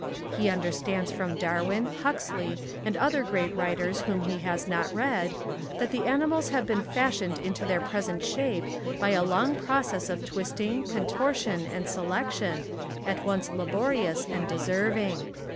He understands from Darwin, Huxley, and other great writers whom he has not read, that the animals have been fashioned into their present shape by a long process of twisting, contortion, and selection, at once laborious and deserving.